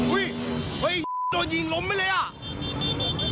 เฮ้ยเฮ้ยโดนยิงล้มไปเลยอ่ะ